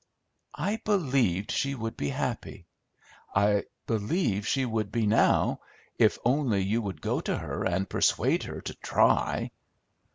"I believed she would be happy; I believe she would be, now, if only you would go to her and persuade her to try."